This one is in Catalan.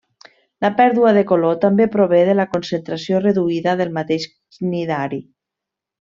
La pèrdua de color també prové de la concentració reduïda del mateix cnidari.